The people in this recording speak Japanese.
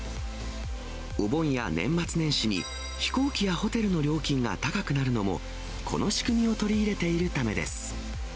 お盆や年末年始に飛行機やホテルの料金が高くなるのも、この仕組みを取り入れているためです。